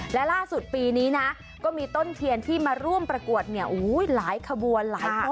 และล่าสุดปีนี้ก็มีต้นเทรียนที่มาร่วมประกวดหลายความอัลการ์